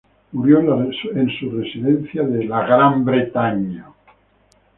Murió en su residencia de Gran Bretaña.